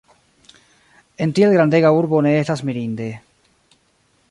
En tiel grandega urbo ne estas mirinde.